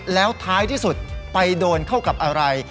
แล้วท้ายที่สุดไปโดนเข้ากับอะไร